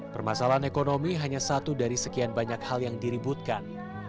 permasalahan ekonomi hanya satu dari sekian banyak hal yang diributkan